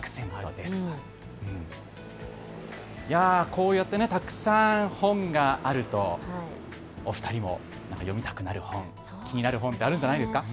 こうやってたくさん本があるとお二人も読みたくなる本、気になる本、あるんじゃないですか。